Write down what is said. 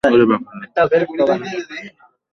ওর ব্যাপারে কী?